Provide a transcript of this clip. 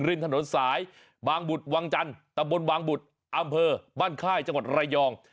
ริ่นถนนสายวางบุรรณ์วางจันทร์ตระบวนวางบุรรณ์อำเภอบ้านไข้จังหวัดไรอง